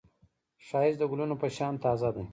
ښایست د ګلونو په شان تازه دی